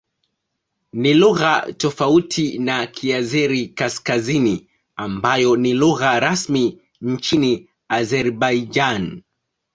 Ni lugha tofauti na Kiazeri-Kaskazini ambayo ni lugha rasmi nchini Azerbaijan.